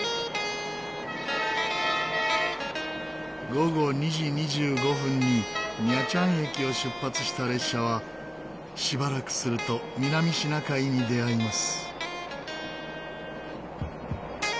午後２時２５分にニャチャン駅を出発した列車はしばらくすると南シナ海に出合います。